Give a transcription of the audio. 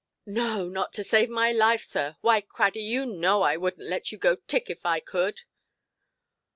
"No, not to save my life, sir. Why, Craddy, you know I wouldnʼt let you go tick if I could".